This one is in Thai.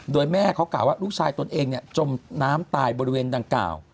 โดยแม่เขากล่าวว่าลูกชายตนเองจมน้ำตายบริเวณดังกล่าว